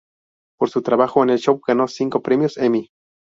Por su trabajo en el show ganó cinco Premios Emmy.